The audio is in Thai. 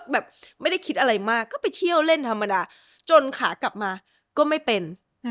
แบบไม่ได้คิดอะไรมากก็ไปเที่ยวเล่นธรรมดาจนขากลับมาก็ไม่เป็น